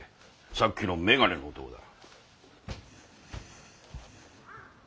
さっきの眼鏡の男だ。